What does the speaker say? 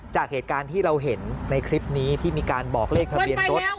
จากเหตุการณ์ที่เราเห็นในคลิปนี้ที่มีการบอกเลขทะเบียนรถ